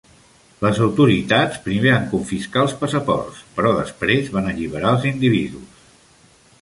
Les autoritats primer van confiscar els passaports, però després van alliberar els individus.